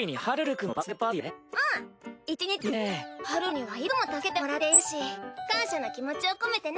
はるるにはいつも助けてもらっているし感謝の気持ちを込めてね！